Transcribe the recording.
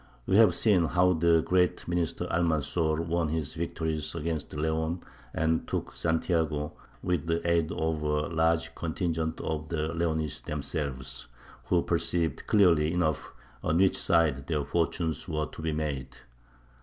We have seen how the great minister Almanzor won his victories against Leon and took Santiago with the aid of a large contingent of the Leonese themselves, who perceived clearly enough on which side their fortunes were to be made.